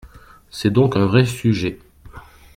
C’est donc un vrai sujet.